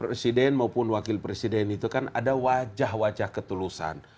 presiden maupun wakil presiden itu kan ada wajah wajah ketulusan